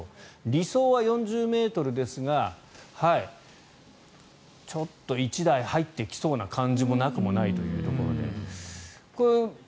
理想は４０ｍですがちょっと１台入ってきそうな感じもなくもないというところで。